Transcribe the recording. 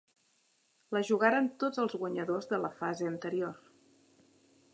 La jugaren tots els guanyadors de la fase anterior.